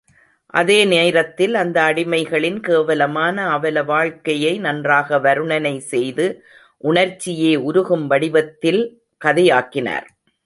அதே நேரத்தில் அந்த அடிமைகளின் கேவலமான அவல வாழ்க்கையை நன்றாக வருணனை செய்து, உணர்ச்சியே உருகும் வடிவத்தில் கதையாக்கினார்.